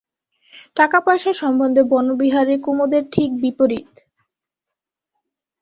টাকাপয়সা সম্বন্ধে বনবিহারী কুমুদের ঠিক বিপরীত।